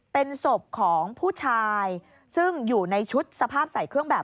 เป็นศพของผู้ชายซึ่งอยู่ในชุดสภาพใส่เครื่องแบบ